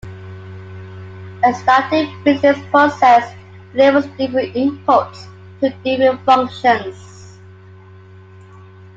A starting business process delivers different inputs to different functions.